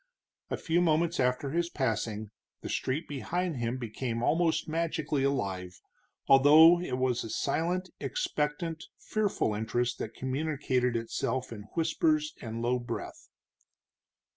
A few moments after his passing the street behind him became almost magically alive, although it was a silent, expectant, fearful interest that communicated itself in whispers and low breath.